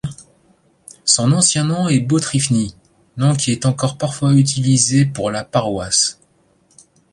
Son ancien nom est Botriphnie, nom qui est encore parfois utilisé pour la paroisse.